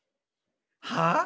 はあ？